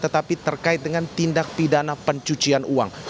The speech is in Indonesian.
tetapi terkait dengan tindak pidana pencucian uang